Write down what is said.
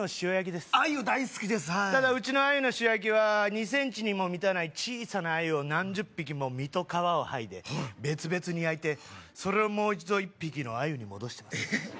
ただうちのアユの塩焼きは２ｃｍにも満たない小さなアユを何十匹も身と皮を剥いで別々に焼いてそれをもう一度一匹のアユに戻してます